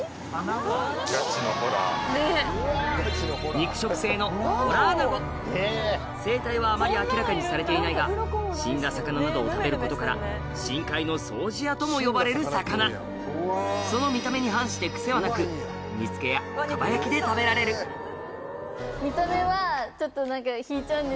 肉食性のホラアナゴ生態はあまり明らかにされていないが死んだ魚などを食べることから「深海の掃除屋」とも呼ばれる魚その見た目に反してクセはなくで食べられるちょっと何か。